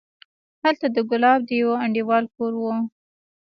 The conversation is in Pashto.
هلته د ګلاب د يوه انډيوال کور و.